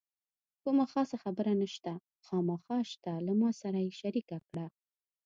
کومه خاصه خبره نشته، خامخا شته له ما سره یې شریکه کړه.